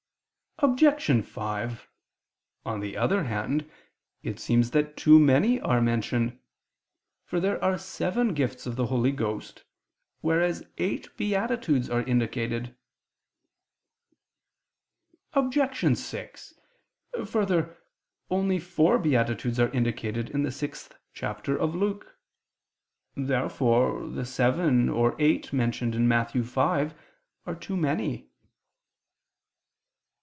Obj. 5: On the other hand, it seems that too many are mentioned. For there are seven gifts of the Holy Ghost: whereas eight beatitudes are indicated. Obj. 6: Further, only four beatitudes are indicated in the sixth chapter of Luke. Therefore the seven or eight mentioned in Matthew 5 are too many.